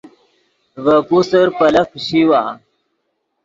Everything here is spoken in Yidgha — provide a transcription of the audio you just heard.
ڤے پوسر پیلف پیشیوا